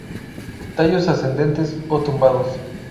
Tallos ascendentes o tumbados.